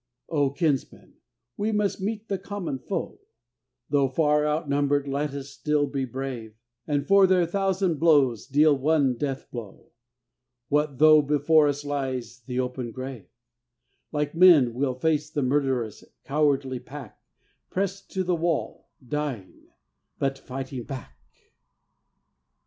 Oh, Kinsmen! We must meet the common foe; Though far outnumbered, let us still be brave, And for their thousand blows deal one death blow! What though before us lies the open grave? Like men we'll face the murderous, cowardly pack, Pressed to the wall, dying, but fighting back!